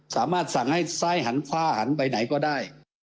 สามารถสั่งให้ซ้ายหันขวาหันไปไหนก็ได้